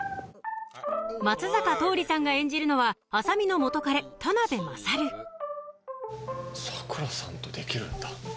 松坂桃李さんが演じるのは麻美の元カレ田勝「サクラさんとできるんだ」。